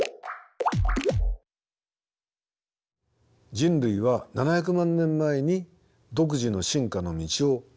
人類は７００万年前に独自の進化の道を歩み始めました。